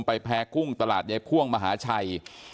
ไปแพร่กุ้งตลาดใยพ่วงมหาชัย